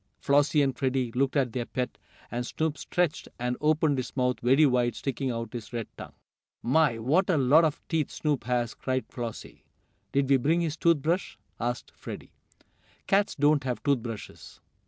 Flossie and Freddie looked at their pet, and Snoop stretched, and opened his mouth very wide, sticking out his red tongue. "My! What a lot of teeth Snoop has!" cried Flossie. "Did we bring his tooth brush?" asked Freddie. "Cats don't have tooth brushes!"